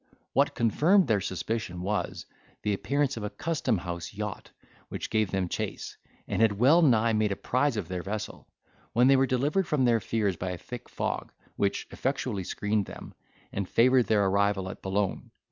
What confirmed their suspicion was, the appearance of a custom house yacht, which gave them chase, and had well nigh made a prize of their vessel; when they were delivered from their fears by a thick fog, which effectually screened them, and favoured their arrival at Boulogne.